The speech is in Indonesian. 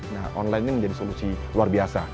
nah online ini menjadi solusi luar biasa